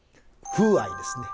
風合いですね。